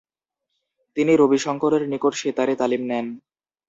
তিনি রবিশংকরের নিকট সেতারে তালিম নেন।